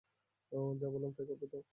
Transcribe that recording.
যা বললাম তাই করবে তো?